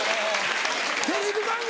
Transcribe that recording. テレビ番組！